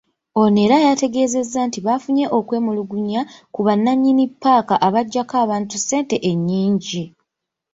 Ono era yategeezezza nti baafunye okwemulugunya ku bannanyini ppaaka abaggyako abantu essente ennyingi.